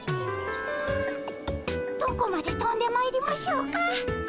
どこまでとんでまいりましょうか？